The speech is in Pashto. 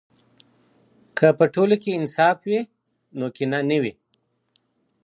که په ټولو کې انصاف وي، نو کینه نه وي.